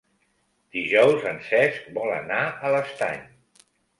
Dijous en Cesc vol anar a l'Estany.